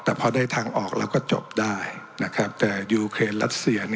แต่พอได้ทางออกเราก็จบได้นะครับแต่ยูเครนรัสเซีย